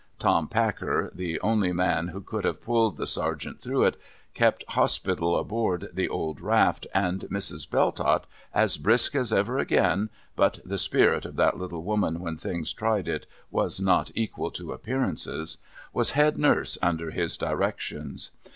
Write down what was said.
Tom Packer —the only man who could have pulled the Sergeant through it— kept hospital aboard the old raft, and Mrs. Belltott, as brisk as ever again (but the spirit of that little woman, when things tried it, was not equal to appearances), was head nurse under his directions.